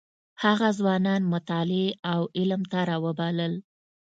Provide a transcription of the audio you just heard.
هغه ځوانان مطالعې او علم ته راوبلل.